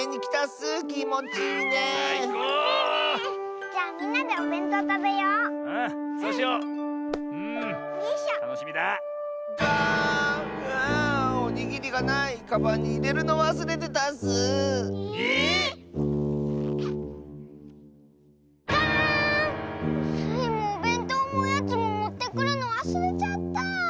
スイもおべんとうもおやつももってくるのわすれちゃった。